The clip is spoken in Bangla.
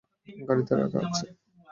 গাড়িতে রাখা আছে।